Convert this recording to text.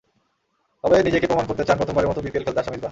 তবে নিজেকে প্রমাণ করতে চান প্রথমবারের মতো বিপিএল খেলতে আসা মিসবাহ।